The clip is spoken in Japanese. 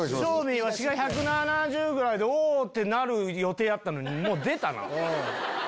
ワシが１７０ぐらいでお！ってなる予定やったのにもう出たな。